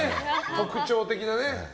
特徴的なね。